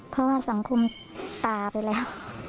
เพราะว่าสังคมตาไปแล้ว